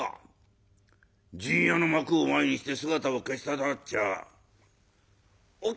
『陣屋』の幕を前にして姿を消したとなっちゃお